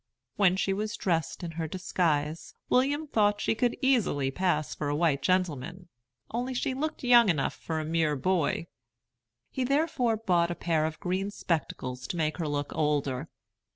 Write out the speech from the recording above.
When she was dressed in her disguise, William thought she could easily pass for a white gentleman, only she looked young enough for a mere boy; he therefore bought a pair of green spectacles to make her look older.